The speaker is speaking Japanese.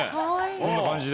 こんな感じで。